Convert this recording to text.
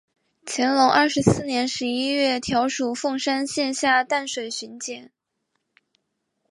乾隆二十四年十一月调署凤山县下淡水巡检。